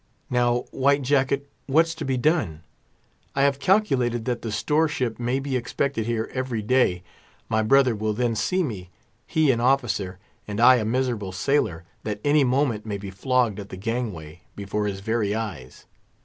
Now, White Jacket, what's to be done? I have calculated that the store ship may be expected here every day; my brother will then see me—he an officer and I a miserable sailor that any moment may be flogged at the gangway, before his very eyes.